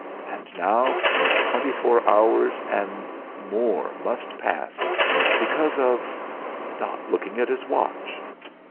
And now, twenty four hours and more must pass, because of not looking at his watch!